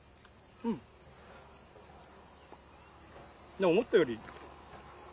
でも思ったより。